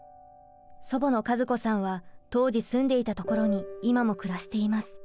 祖母の和子さんは当時住んでいたところに今も暮らしています。